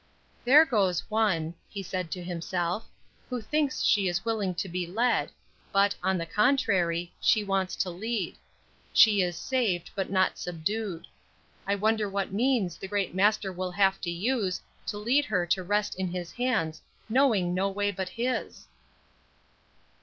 "There goes one," he said to himself, "who thinks she is willing to be led, but, on the contrary, she wants to lead. She is saved, but not subdued. I wonder what means the great Master will have to use to lead her to rest in his hands, knowing no way but his?"